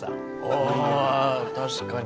ああ確かに。